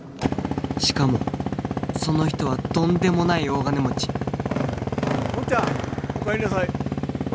しかもその人はとんでもない大金持ち坊ちゃんお帰りなさいあ